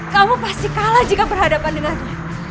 kamu pasti kalah jika berhadapan denganmu